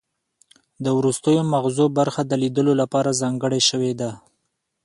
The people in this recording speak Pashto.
د وروستیو مغزو برخه د لیدلو لپاره ځانګړې شوې ده